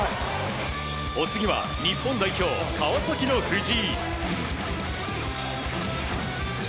お次は日本代表、川崎の藤井。